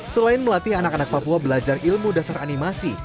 selain melatih anak anak papua belajar ilmu dasar animasi